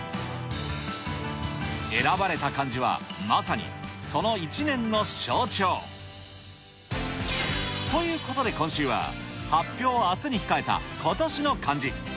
選ばれた漢字はまさにその一年の象徴。ということで、今週は、発表をあすに控えた今年の漢字。